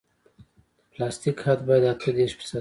د پلاستیک حد باید اته دېرش فیصده وي